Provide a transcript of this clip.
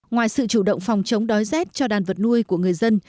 ngoài sự chủ động phòng chống đói rét cho đàn vật nuôi của người dân